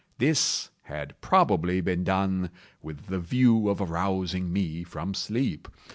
This had probably been done with the view of arousing me from sleep.